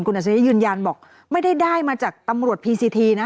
อัจฉริยยืนยันบอกไม่ได้ได้มาจากตำรวจพีซีทีนะ